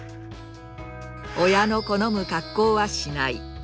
親の好む格好はしない。